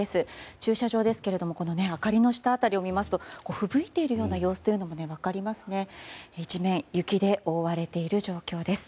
駐車場ですけれども明かりの下辺りを見ますとふぶいている様子が分かりますね。